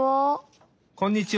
こんにちは。